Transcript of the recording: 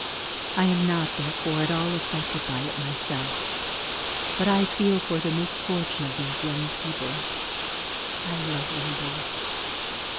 I am not, therefore, at all affected by it myself, but I feel for the misfortune of these young people I love them both."